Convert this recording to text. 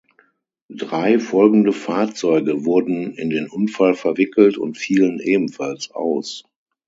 Drei folgende Fahrzeuge wurden in den Unfall verwickelt und vielen ebenfalls aus.